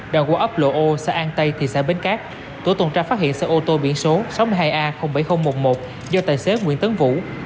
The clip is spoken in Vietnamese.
đoạn qua ấp lộ o xã an tây thị xã bến cát tổ tuần tra phát hiện xe ô tô biển số sáu mươi hai a bảy nghìn một mươi một do tài xế nguyễn tấn vũ